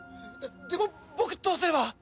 ででも僕どうすれば？